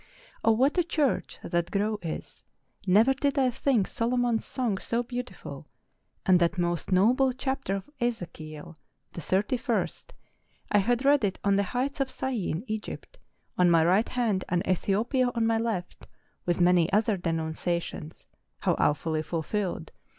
Oh, what a church that grove is I Never did I think Solomon's Song so beautiful, and that most noble chapter of Ezekiel, the thirty first, I had read it on the heights of Syene, Egypt on my right hand, and Etliiopia on my left, with many other denunciations (how awfully fulfilled